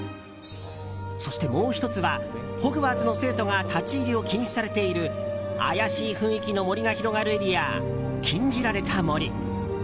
そして、もう１つはホグワーツの生徒が立ち入りを禁止されている怪しい雰囲気の森が広がるエリア禁じられた森。